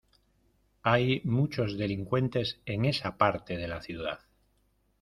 Hay muchos delincuentes en esa parte de la ciudad.